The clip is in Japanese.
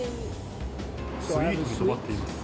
スイートに泊まっています。